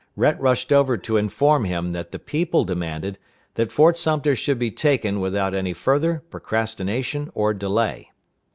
Rhett rushed over to inform him that the people demanded that Fort Sumter should be taken without any further procrastination or delay.